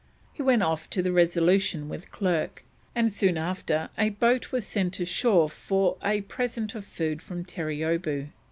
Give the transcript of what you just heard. He went off to the Resolution with Clerke, and soon after a boat was sent ashore for a present of food from Terreeoboo.